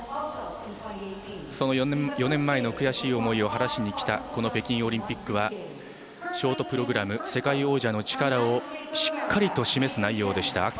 その４年前の悔しい思いを晴らしにきたこの北京オリンピックはショートプログラム世界王者の力をしっかりと示す内容でした。